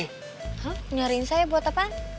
hah nyariin saya buat apaan